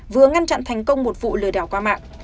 vừa ngăn chặn thành công một vụ lừa đảo qua mạng